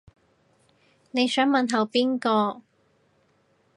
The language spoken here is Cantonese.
你想問候邊個